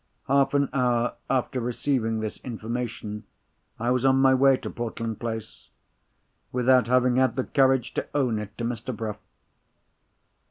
Half an hour after receiving this information, I was on my way to Portland Place—without having had the courage to own it to Mr. Bruff!